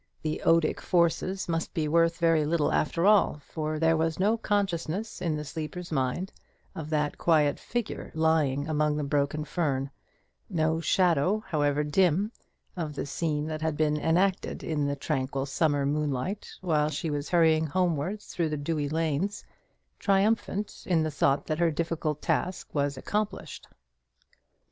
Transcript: The odic forces must be worth very little after all, for there was no consciousness in the sleeper's mind of that quiet figure lying among the broken fern; no shadow, however dim, of the scene that had been enacted in the tranquil, summer moonlight, while she was hurrying homeward through the dewy lanes, triumphant in the thought that her difficult task was accomplished.